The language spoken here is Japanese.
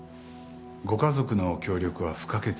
ご家族の協力は不可欠です。